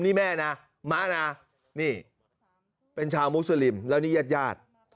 นี่แม่นะมะนานี่เป็นชาวมุสลิมแล้วนี่ญาติญาติ